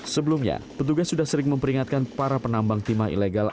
sebelumnya petugas sudah sering memperingatkan para penambang timah ilegal